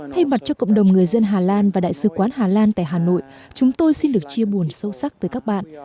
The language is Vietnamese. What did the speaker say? thay mặt cho cộng đồng người dân hà lan và đại sứ quán hà lan tại hà nội chúng tôi xin được chia buồn sâu sắc tới các bạn